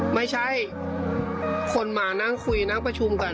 ไม่ใช่คนมานั่งคุยนั่งประชุมกัน